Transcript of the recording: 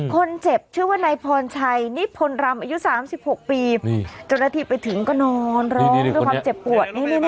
คนเจ็บชื่อว่านายพรชัยนิพลรำอายุ๓๖ปีเจ้าหน้าที่ไปถึงก็นอนร้องด้วยความเจ็บปวด